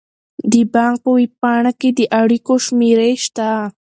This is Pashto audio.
د بانک په ویب پاڼه کې د اړیکو شمیرې شته.